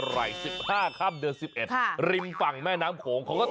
แหมไปเมืองชนไปแถวสลาดน้องมนต์